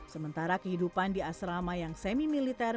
sementara kehidupan di asrama yang semi militer